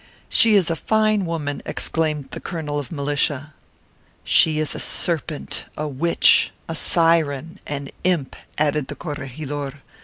"She is a fine woman," exclaimed the colonel of militia. "She is a serpent, a witch, a siren, an imp," added the corregidor.